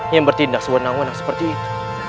yang bertindak sewenang wenang seperti itu